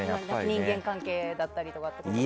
人間関係だったりとか。